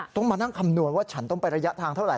ต้องมานั่งคำนวณว่าฉันต้องไประยะทางเท่าไห